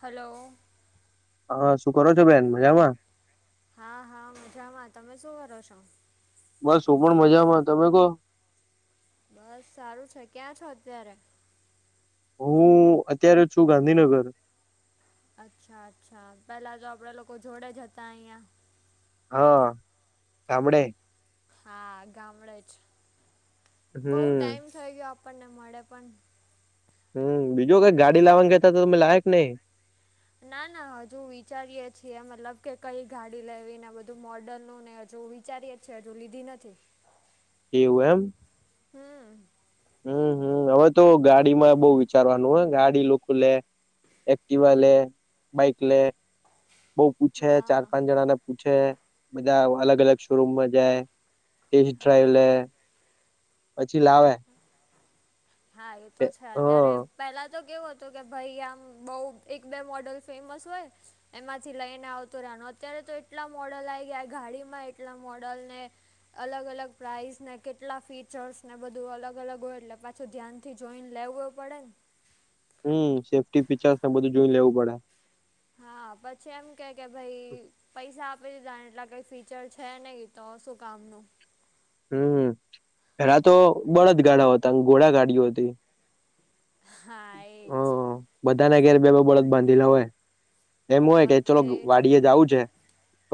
Hello હા, શું કરો છો બેન મજા માં હા હા મજામાં તમે શું કરો છો. બસ હું પણ મજામાં તમે કહો બસ સારું છે ક્યાં છો, અત્યારે હું અત્યારે છુ. ગાંધીનગર અચ્છા અચ્છા પેલા તો આપડે લોકો જોડે જ હતા અહિયા હા, તામડે હા, ગામડે જ બહ હમ ટાઈમ થઈ ગયો આપણને મળે પણ હમ બીજું કઈક ગાડી લાવવાનું ગતા તો તમે લાયક નઈ ના ના હજુ વિચારીયે છીએ મતલબ કે કઈ ગાડી લેવી ને બધું મોડલ નું ને હજુ વિચારીએી હજુ લીધી નથી. એવું એમ હમ હમ હમ હવે તો ગાડીમાં બહ વિચારવાનું હ ગાડી લોકો લે એક્ટવા લ બાઇક લે બઉ પૂછે હા ચાર પાંચ જણા ને પૂછે બધા અલગ અલગ શોરૂમમાં જાય. ટેસ્ટ ડ્રાઇવ લે હા પછી લાવે. હા એ તો છે હ અત્યારે પેલા. તો કેવો હતો કે ભાઈ આમ બઉ એક બે મોડલ ફેમસ હોય. એમાંથી લઈને આવતું રહેનું અત્યારે તો એટલા મોડલ આ ગયા ગાડીમાં એટલા મોડલ ને અલગ અલગ પ્રાઇઝ ને કેટલા ફીચર્સ ને બધું અલગ અલગ હોય, એટલે તો ધ્યાનથી જોઈને લેવો પડે ને હમ સેફ્ટી પીચર્સ ને બધું જોઈ લેવું પડે હા, પછી એમ કે કે ભાઈ પૈસા આપી દીધા એટલા કઈ ફીચર છે, નહી તો શું કામ ન હમ પેલા તો બળ જ ગાડા હતા ઘોડા ગાડીઓ હતી. હા એજ. બધાને ઘેર બે બે બળદ બાંધેલા હોય, એમ હોય કે બધે ચલો એ જ વાડીયે હતું જાવું છે.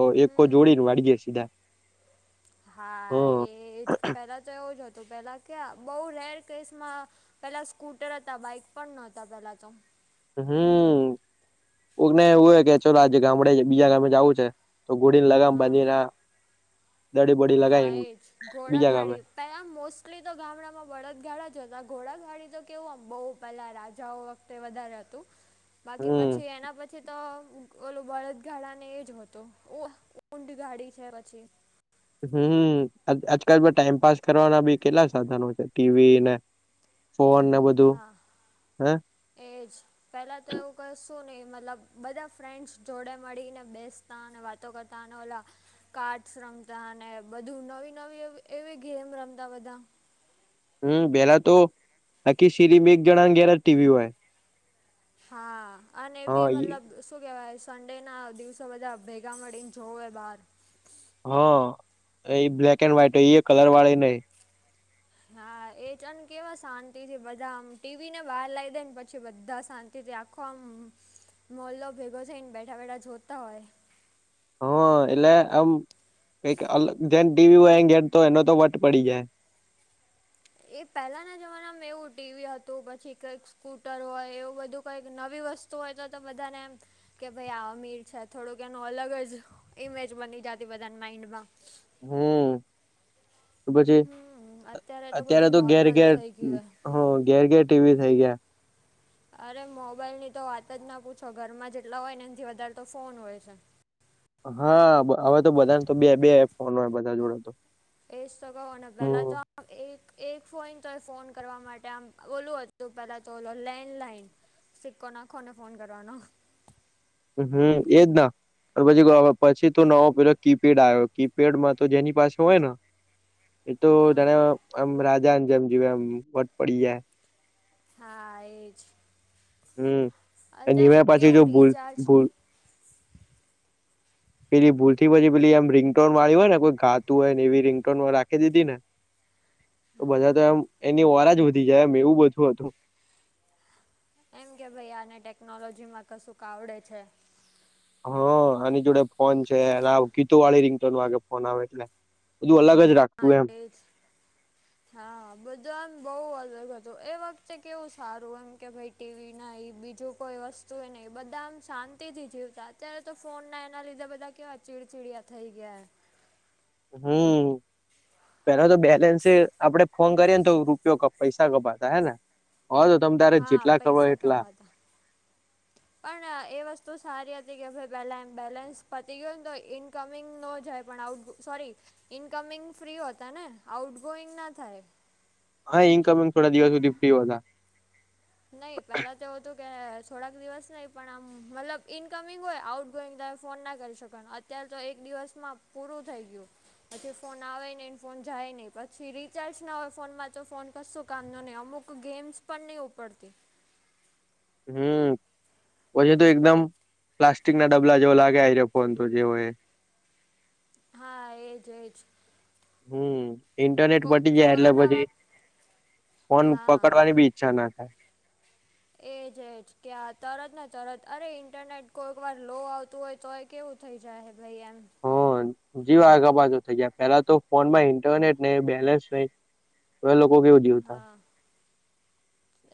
તો એકકો હમ જોડીને વાડીયે સીધા. હ હા એ જ પેલા તો એવું જ હતું પેલા. કયાં બહુ રેર કેસમાં પહેલાં સ્કૂટર હતા બાઈક પણ નહોતા પહેલાં તો. હમ્મ કોકને એવું હોય કે ચલો આજે ગામડે બીજા ગામડે જાવું છે. તો ઘોડીને લગામ હા બાંધી આ દડી બોડી હા લગાવીને એ જ બીજા ગામે. ઘોડાગાડી પહેલાં મોસ્ટલી તો ગામડામાં બળદગાડા જ હતાં ઘોડાગાડી તો કેવું આમ બહુ પહેલાં રાજાઓ વખતે. તે વધારે હતું બાકી હમ પછી એના પછી તો. ઓલુ બળદગાડા ને એ જ હતું ઊંટ ગાડી છે પછી. હમ્મ આજકાલમાં ટાઈમપાસ કરવાના બી કેટલા સાધનો છે ટીવી ને. ફોન ને બધ. હા એજ પહેલાં તો એવું કશ. શું નહીં મતલબ બધા ફ્રેન્ડ્સ જોડે મળીને બેસતા અને વાતો કરતા અને ઓલા. કાર્ડસ રમતા અને બધું નવી નવી એવી ગેમ રમતા બધા. હમ્મ પેલા તો આખી સિરીમાં એક જણાને ઘેર જ ટીવી હોય. હા અને એબી હા મતલબ શું કેવાય. સંન્ડે ના દિવસે બધા ભેગા મળીને જોવે બહાર. હા એ બ્લેક એન્ડ વ્હાઈટ હોય ઈ એ કલર વાળી નહી. હા એ છને કેવા શાંતિ થી બધા આમ ટીવી ને બહાર લાવી દે ને પછી બધા શાંતિ. તે આખો આમ મોલ્લો ભેગો થઈને બેઠા બેઠા જોતા હોય. હ એટલે આમ કઈક અલગ જેને ટીવી હોય એને ઘેર તો એનો તો વટ પડી જાય. એ પહેલાના જમાનામાં એવું ટીવી હતું પછી કઈક. સ્કૂટર હોય એવું બધું કઈક નવી વસ્તુ હોય તો તો બધાને એમ. કે ભાઈ આ અમીર છે થોડુંક એનું અલગ જ ઇમેજ બની જાતી બધાના માઈન્ડમાં. હમ્મ તો પછી. હમ અત્યારે બધું તો ઘેર નોર્મલ ઘેર થઈ ગયું હ ઘેર ઘેર ટીવી થઇ ગયા. અરે મોબાઈલની તો વાત જ ના પૂછો ઘરમાં જેટલા હોય ને એનથી વધારે તો ફોન હોય છે. હા હવે તો બધા તો બે બે ફોન હોય બધા જોડે તો. એજ તો કવ અને પેલા તો. હમ એક એક ફોઈન તો એ ફોન કરવા માટે આમ ઓલું હતું પેલા તો ઓલો લેન્ડલાઈન. સિકકો નાખો ને ફોન કરવાનો. હમ એજ ના. પછી પછી તો નવો પેલો કીપેડ આયો કીપેડમાં તો જેની પાસે હોય ને. એ તો હા જાણે આમ રાજાની જેમ જીવે આમ વટ પડી જાય. હા એજ હમ અને અત્યારે એમાં પાછી જો કેવું ભૂલ રિચાર્જ છે. [unintelligible] પેલી ભૂલ થી પછી પેલી એમ રિંગટોન વાળી હોય ને કોઈ ગાતું હોય ને એવી રીંગટોનો રાખી દીધી ને. તો હા બધા તો એમ એની ઓરાજ વધી જાય એમ એવું બધું હતું. એમ કે ભાઈ આને ટેકનોલોજી માં કશુંક આવડે છે. હ આની જોડે ફોન છે ગીતો વાળી રીંગટોન વાગે ફોન આવે એટલે. બધું અલગ જ રાખતું [unintelligible] એમ હા બધું આમ બહુ અલગ હતું એ વખતે કેવું સારું એમ કે ભાઈ. ટીવી નહી બીજું કોઈ વસ્તુ એ નહીં બધા આમ શાંતિથી જીવતા અત્યારે તો ફોન ના એના લીધે બધા. કેવા ચિડચિડિયા થઈ ગયા. હમ્મ પેલા તો બેલેન્સએ આપડે. ફોન કરીએ ને તો રૂપિયો કે પૈસા કપાતા હે ને હવે તો તમ તારે હા જેટલા કરવા પૈસા એટલા. કમાતા પણ એ વસ્તુ સારી હતી કે હવે પહેલાં એમ બેલેન્સ પતી ગયું ને તો ઇ કમિંગ નો જાય પણ આઉટ સોરી ઈનકમિંગ ફ્રી હોતા ને આઉટ ગોઈંગ ના થાય. હા ઇન્કમિંગ થોડા દિવસ સુધી ફ્રી હતા. નહીં પેલા તો એવું હતું કે થોડાક દિવસ નહી પણ આમ મતલબ ઈનકમિંગ હોય આઉટ ગોઈંગ ફોન ના કરી શકે અત્યારે તો એક દિવસમાં પૂરું થઈ ગયું. પછી ફોન આવે નહીં ફોન જાય નહીં પછી રીચાર્જ ના હોય ફોનમાં તો ફોન કશું કામનો નહીં અમુક ગેમ્સ પણ નહીં ઉપડતી. હમ્મ. પછી તો એકદમ પ્લાસ્ટિક ના ડબલા જેવો લાગે આ રહ્યો ફોન તો જેવો એ હા એજ એજ ઇન્ટરનેટ પટી જાય એટલે કોરોના પછી વખત ફોન હા પકડવાની બી ઈચ્છા ના થાય. એ છે જ કે આ તરત ને તરત અરે ઇન્ટરનેટ કોઈક વાર લો આવતું હોય તો કેવું થઈ જાય ભાઈ એમ જીવ આગ પાછા થઇ જયા પેલા તો ફોન માં ઇન્ટરનેટ નય બેલેન્સ નય તો એ લોકો કેવું જીવતા હા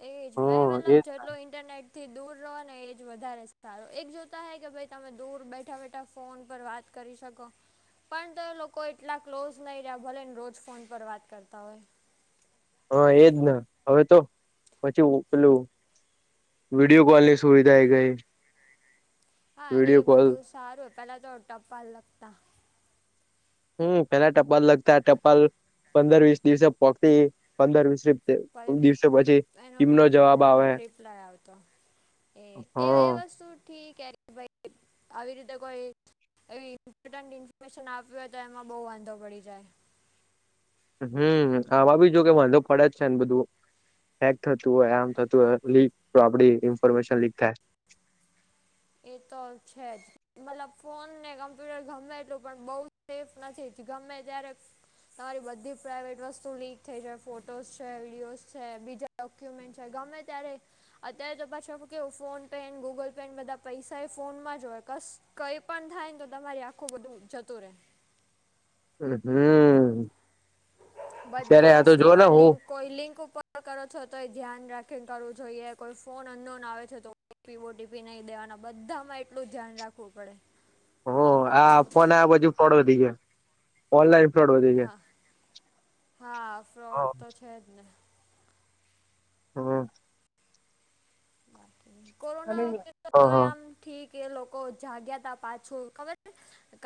એજ [unintelligible] હા મતલબ એ જેટલો ઇન્ટરનેટ થી દૂર રેહવોને એ જ વધારે સારું એક જોતા હોઈ કે ભાઈ તમે દૂર બેઠા બેઠા ફોન પર વાત કરી શકો. પણ તો લોકો એટલા ક્લોઝ નહીં રહ્યાં ભલે ને રોજ ફોન પર વાત કરતા હોય. હા એજ હવે તો પછી ઉપલું વિડીઓ કોલ ની સુવિધા આવી ગઈ હા એ વિડીયો કોલ બધું સારું પેલા તો ટપાલ લખતા હમ પેલા ટપાલ લખતા ટપાલ પંદર વીસ દિવસે પછી પંદર વીસ દિવસો પછી ટીમનો જવાબ આવે રિપ્લાય આવતો એ એ એ હા વસ્તુ ઠી કે ભાઈ આવી રીતે કોઈ એવી ઇમ્પોર્ટન્ટ ઇન્ફોર્મેશન આપ્યું હોય તો એમાં બહુ વાંધો પડી જાય. હમ આવા બીજો કે વાંધો પડે જ છે ને બધું હૅક થતું હોય આમ થતું હોય લીક તો આપડી ઇન્ફોર્મેશન લીક થાય. એ તો છે જ મતલબ ફોન ને કમ્પ્યુટર ગમે એટલું પણ બહુ સેફ નથી ગમે ત્યારે તમારી બધી પ્રાઇવેટ વસ્તુ લીક થઈ જાય ફોટોસ છે, વિડીયોઝ છે બીજા ડોક્યુમેન્ટ છે ગમે ત્યારે અત્યારે તો પાછું એવું કેવું ફોનપે ને ગૂગલપે ને બધાં પૈસા એ ફોનમાં જ હોય કશ કઈ પણ થાય ને તો તમારી આખું બધું જતું રહે. હમ ત્યારે બધી આ તો જોને વસ્તુમાં હું લિંક કોઈ લિંક ઉપર કરો છો તો એ ધ્યાન રાખીને કરવું જોઈએ કોઈ ફોન અન્નોન આવે છે તો ઓટીપી નહીં દેવાના બધામાં એટલું ધ્યાન રાખવું પડે. હ આ ફોન આબાજુ [unintelligible] ઓનલાઈન ફ્રોડ વધી હા હા ગયા [unintelligible] હમ્મ. કોરોના વખતે હ તો આમ ને ઠીક એ લોકો જાગ્યા ત પાછું ખબર છે.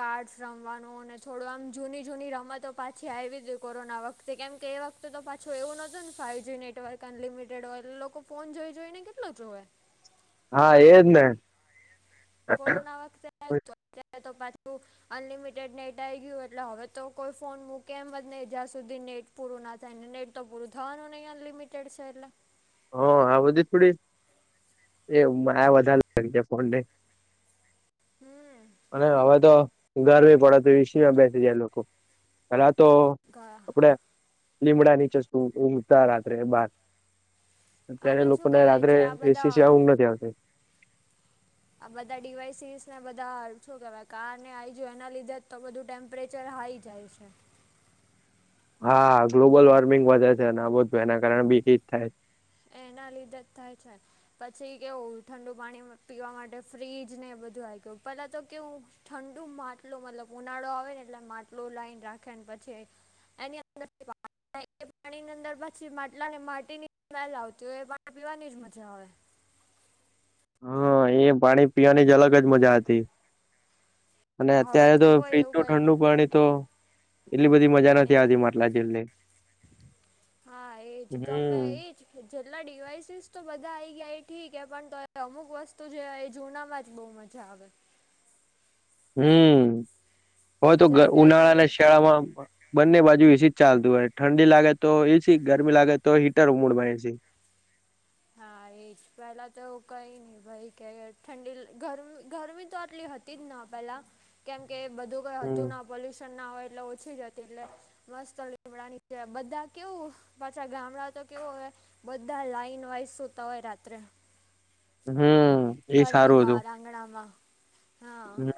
કાડ્સ રમવાનું અને થોડું આમ જૂની જૂની રમતો પાછી આવી ગઈ કોરોના વખતે કેમ કે એ વખતે તો પાછું એવું ન હોતું ને ફાઈવ જી નેટવર્ક અનલિમિટેડ હોય એ લોકો ફોન જોઈ જોઈ ને કેટલો જોવે હા એજ ને હ કોરોના વખતે ત્યારે તો પાછું અનલિમિટેડ નેટ આઈ ગયું એટલે હવે તો કોઈ ફોન મૂકે એમ જ નહી જ્યાં સુધી નેટ પૂરું ના થાયને નેટ તો પૂરું થવાનું નહીં અનલિમિટેડ છે. એટલે હ આ બધી થોડીએ માયા વધારે લાગી જાય ફોન ને હમ અને હવે તો ગરમી પડે ત એ. સીમાં બેસી જાય લોકો પેલા તો ગયા આપણે લીમડા નીચે ઊઘતા રાત્રે બાર અત્યારે આને શું લોકોને કહેવાય રાત્રે જે આ એ. સી બધા સિવાય ઉઘ નથી આવતી. આ બધા ડિવાઈસીસ ને બધા હ છો કેવાય કાર ને આ આવીજ એના લીધે જ તો બધું ટેમ્પ ટેમ્પરેચર હાઈ જાય છે. હા ગ્લોબલ વોર્મિંગ વધે છે અને આ બધ એના કારણે બી હીટ થાય એના લીધે જ થાય છે. પછી કેવું ઠંડુ પાણી પીવા માટે ફ્રીજ ને બધું આવી ગયું પહેલા તો કેવું ઠંડુ માટલું મતલબ ઉનાળો આવે ને એટલે માટલું લાવી ને રાખેને પછી એની અંદર પાણીની અંદર પછી માટલા ને માટીની સ્મેલ આવતી હોય એ પાણી પીવાની જ મજા આવે હા એ પાણી પીવાની જ અલગ જ મજા હતી. અને હવે અત્યારે તો કોઈ એવું ફ્રીજનું કંઈક ઠંડુ પાણી તો એટલી બધી મજા નથી એ આવતી માટલા જેટલી હા એજ ગમે હમ એજ જેટલા ડિવાઈસીસ તો બધા આઈ ગયા એ ઠીક હ પણ તો એ અમુક વસ્તુ જે એ જૂના માં જ બહુ મજા મજા આવે હમ હવે તો જેમ કે ઉનાળા અત્યારે અને શિયાળામાં બંને બાજુ એસી જ ચાલતું હોય ઠંડી લાગે તો એસીી ગરમી લાગે તો હીટર ઉમડમાંસી હા એજ પેલા તોું કઈ નહ ભાઈ કે ઠંડી ગરમી ગરમી તો આટલી હતી હતી જ ના પેલા કેમ કે બધું કઈ હતું હમ ના પોલ્યુશન ના હોય એટલે ઓછી જ હતી એટલે મસ્ત લીડાની છે બધા કેવું પાછા ગામડા તો કેવો હ બધા લાઈનો તોય સૂતા હોય રાત્રે હમ એ ઘરની સારું હતું બહાર આંગણામાં હા હમ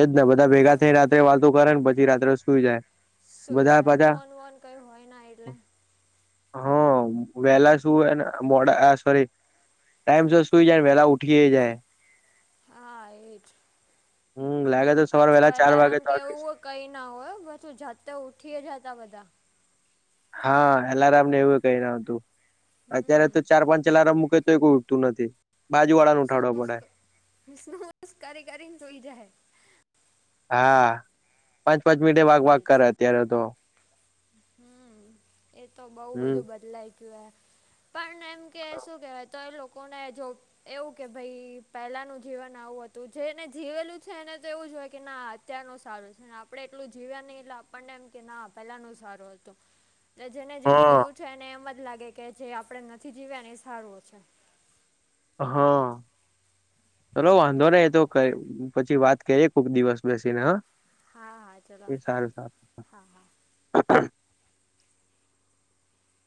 એજ ને બધા ભેગા પણ થઈ રાત્રે વાતો કરે ને પછી રાત્રે સુઈ જાય સઈ બધા જાય પાછા ફોન વોન કયો હોય ના એટલે હ વેલાસું એડા સોરી ટાઈમ સર સુઈ જાય વેલા ઉઠી જાય હા એજ હમ લાગે તો સવાર પાછું વહેલા ચાર વાગે અલારમ તો આખી કેવું હો કંઈ ના હોય બછું જાતે ઉઊઠી જતા બધા હા એલારમ ને એવું કઈ ન હતું અત્યારે હમ તો ચાર પાંચ એલારમ મૂક કોઈ ઉઠતું નથી બા જુવાળા સ્ કરી કરીને સુઈ જાય હા પાંચ પાંચ મિટે વાક વાક એ જ કરે અત્યારે તો હમ એ તો બઉુ હમ બધું બદલાય ગયું પણમ એમ કે શું કેહેવાય તો એ લોકોને જોબ એવું કે ભાઈ પહેલાનું જીવન આવું હતું જેને જીવેલું છે એને તો એવું જ હોય કે ના અત્યારનું સારું છે અનેને આપણે એટલું જીવ્યા નહી એટલે આપણને એમ કે ના પેલાનું સાર હત એ જેને જે હા જીવ્યું છે એને એમ જ લાગે કે જે આપડે નથી જીવ્યા ને એ સારું છે. હા, ચલો, વાંધો એટલે નહી. તો ક પછી વાત કરીએ કોુક દિવસ બેસીને હ હા હા ચલો એ સારું સારું હા હા